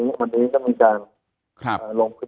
ที่วันนี้ก็มีการลงทิศที่นะครับโดย